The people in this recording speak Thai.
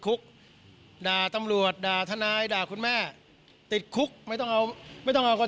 คุกด่าตำรวจด่าทนายด่าคุณแม่ติดคุกไม่ต้องเอาไม่ต้องเอาคน